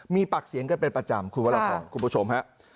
มีปากเสียงกันเป็นประจำคุณวรพรคุณผู้ชมฮะ